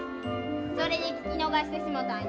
それで聞き逃してしもたんや。